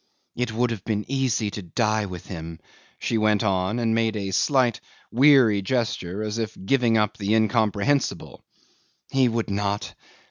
"It would have been easy to die with him," she went on, and made a slight weary gesture as if giving up the incomprehensible. "He would not!